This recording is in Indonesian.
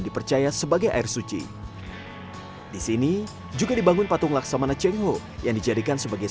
dipercaya sebagai air suci di sini juga dibangun patung laksamana cheng ho yang dijadikan sebagai